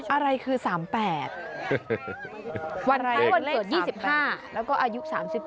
อะไรคือ๓๘วันคล้ายวันเกิด๒๕แล้วก็อายุ๓๘